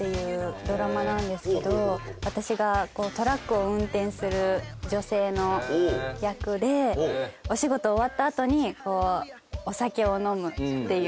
私がトラックを運転する女性の役でお仕事終わった後にお酒を飲むっていう。